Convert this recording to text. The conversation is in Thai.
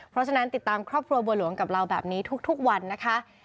เพราะฉะนั้นติดตามครอบครัวบัวหลวงกับเราแบบนี้ทุกวันนะคะ